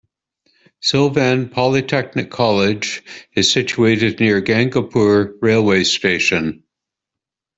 Sylvan Polytechnic College is situated near Gangapur Railway Station.